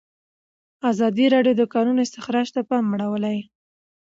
ازادي راډیو د د کانونو استخراج ته پام اړولی.